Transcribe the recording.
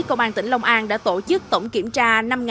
công an tỉnh long an đã tổ chức tổng kiểm tra